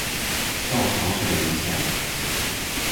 受潮水影響